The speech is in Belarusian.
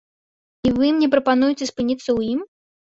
І вы мне прапануеце спыніцца ў ім?